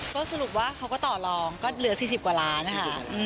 ก็สรุปว่าเขาก็ต่อรองก็เหลือ๔๐กว่าล้านนะคะ